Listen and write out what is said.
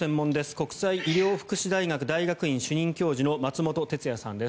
国際医療福祉大学大学院主任教授松本哲哉さんです。